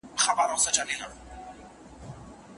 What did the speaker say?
ما په قرآن کې د چا نور وليد په نور کې نور و